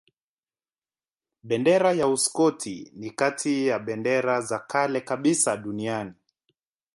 Bendera ya Uskoti ni kati ya bendera za kale kabisa duniani.